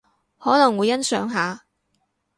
可能會欣賞下